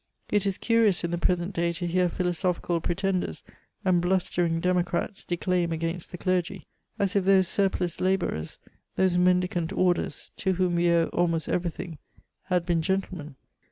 It is curious in the present day to hear philosophical pre jtenders and blustering democrats declaim against the clergy : as if those surpliced labourers, those mendicant orders, to whom we owe iJmost eveirthing, had beenr gentlemen.